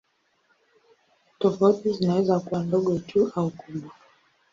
Tofauti zinaweza kuwa ndogo tu au kubwa.